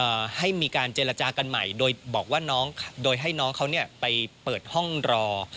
ให้มีการเจรจากันใหม่โดยบอกว่าน้องโดยให้น้องเขาเนี่ยไปเปิดห้องรอ